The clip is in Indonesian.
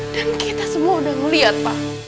dan kita semua udah ngeliat pak